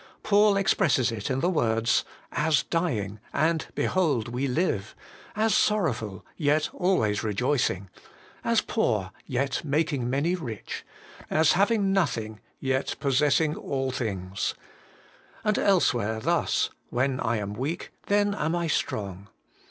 Paul expresses it in the words, 'As dying, and, behold, we live ; as sorrowful, yet always rejoicing ; as poor, yet making many rich ; as having nothing, yet possessing all things.' And elsewhere thus, ' When I am weak, then am I strong.'